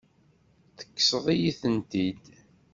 Tekkseḍ-iyi-tent-id.